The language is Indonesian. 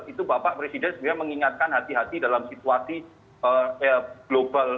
itu bapak presiden sebenarnya mengingatkan hati hati dalam situasi global